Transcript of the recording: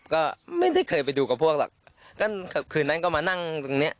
ก็ไม่ได้เคยไปดูกับพวกหรอกก็คืนนั้นก็มานั่งตรงเนี้ย